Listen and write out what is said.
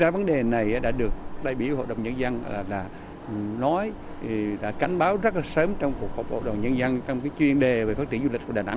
vấn đề này đã được đại biểu hội đồng nhân dân nói đã cảnh báo rất sớm trong hội đồng nhân dân trong chuyên đề phát triển du lịch của đà nẵng